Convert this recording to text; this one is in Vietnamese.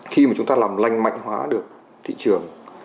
khi mà chúng ta làm lành mạnh hóa được thị trường